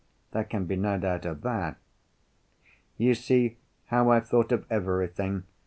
There can be no doubt of that. "You see how I've thought of everything.